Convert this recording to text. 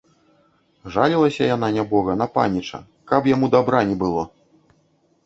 Жалілася яна, нябога, на паніча, каб яму дабра не было!